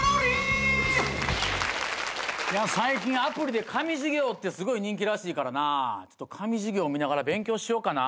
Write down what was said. いや最近アプリで神授業ってすごい人気らしいからなちょっと神授業見ながら勉強しようかな。